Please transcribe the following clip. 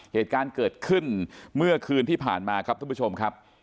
เหตุการณ์เกิดขึ้นเมื่อคืนที่ผ่านมาครับท่านผู้ชมครับ